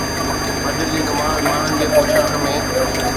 فجر جي نماز ماڻهن جي پوشاڪ ۾